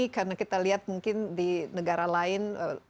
karena kita lihat mungkin di negara lain